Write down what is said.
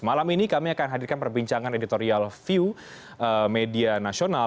malam ini kami akan hadirkan perbincangan editorial view media nasional